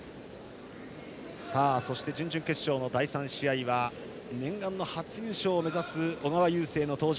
そして準々決勝の第３試合は念願の初優勝を目指す小川雄勢の登場。